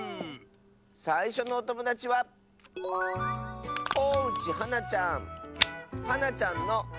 さいしょのおともだちははなちゃんの。